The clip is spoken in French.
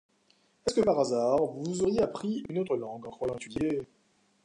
Est-ce que, par hasard, vous auriez appris une autre langue, en croyant étudier...